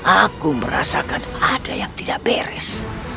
aku merasakan ada yang tidak beres